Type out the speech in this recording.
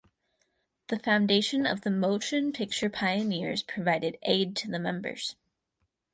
The Foundation of the Motion Picture Pioneers provided aid to the members.